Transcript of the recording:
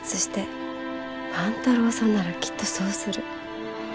万太郎さんならきっとそうする。